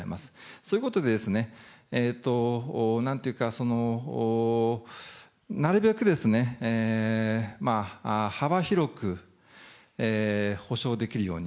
そういうことで、なんというか、なるべく幅広く補償できるように。